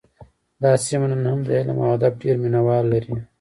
دا سیمه نن هم د علم او ادب ډېر مینه وال لري